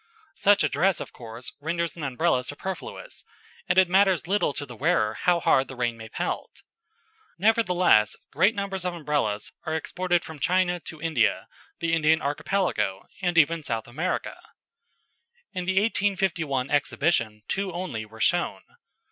Such a dress, of course, renders an Umbrella superfluous, and it matters little to the wearer how hard the rain may pelt. Nevertheless great numbers of Umbrellas are exported from China to India, the Indian Archipelago, and even South America. In the 1851 Exhibition two only were shown.